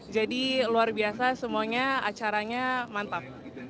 jadi luar biasa semuanya acaranya mantap